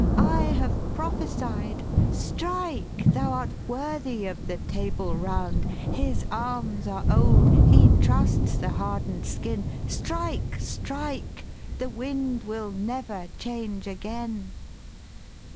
I have prophe sied Strike, thou art worthy of the Table Round His arms are old, he trusts the harden'd skin Strike strike the wind will never change again.'